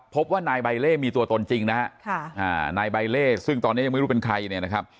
พบว่านายใบเล่มีตัวตนจริงนะฮะนายใบเล่ซึ่งตอนนี้ยังไม่รู้เป็นใครเนี่ยนะครับ